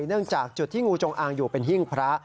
เนื่องจากจุดที่งูจงอางอยู่เป็นหิ้งพระ